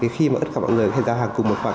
khi mà ất cả mọi người giao hàng cùng một khoảng